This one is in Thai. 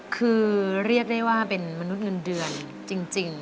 คือเรียกได้ว่าเป็นมนุษย์เงินเดือนจริง